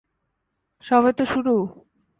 সবে তো শুরু!